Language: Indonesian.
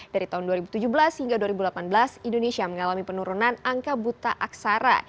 dari tahun dua ribu tujuh belas hingga dua ribu delapan belas indonesia mengalami penurunan angka buta aksara